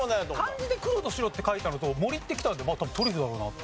漢字で「黒と白」って書いたのと「森」ってきたんでまあ多分トリュフだろうなと。